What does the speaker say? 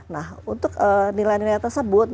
nah untuk nilai nilai tersebut